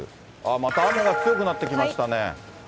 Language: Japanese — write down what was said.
また雨が強くなってきましたね。